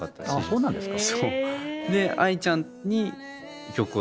そうなんですか。